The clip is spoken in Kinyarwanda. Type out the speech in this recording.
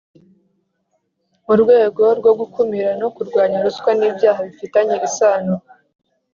Mu rwego rwo gukumira no kurwanya ruswa n ibyaha bifitanye isano